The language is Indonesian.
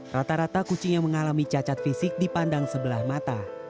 rata rata kucing yang mengalami cacat fisik dipandang sebelah mata